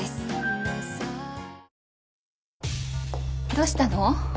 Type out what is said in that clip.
どうしたの？